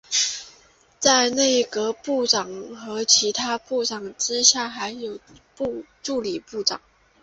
在内阁部长和其他部长之下还有助理部长。